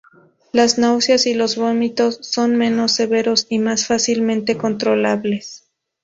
Las náuseas y los vómitos son menos severos y más fácilmente controlables.